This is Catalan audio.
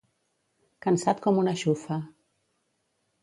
Cansat com una xufa.